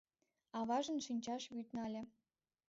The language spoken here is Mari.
Аважын шинчаш вӱд нале.